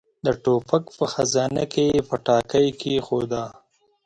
د ټوپک په خزانه کې يې پټاکۍ کېښوده.